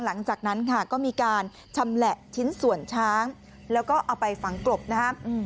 หลังจากนั้นค่ะก็มีการชำแหละชิ้นส่วนช้างแล้วก็เอาไปฝังกลบนะครับ